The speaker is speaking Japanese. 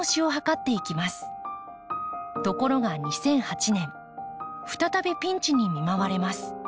ところが２００８年再びピンチに見舞われます。